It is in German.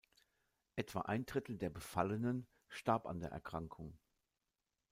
Etwa ein Drittel der Befallenen starb an der Erkrankung.